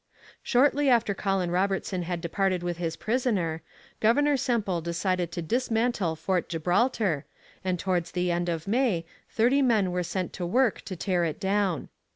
Shortly after Colin Robertson had departed with his prisoner, Governor Semple decided to dismantle Fort Gibraltar, and towards the end of May thirty men were sent to work to tear it down.